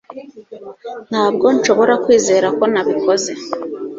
ntabwo nshobora kwizera ko nabikoze